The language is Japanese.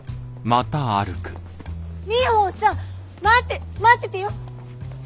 ミホさん待って待っててよ。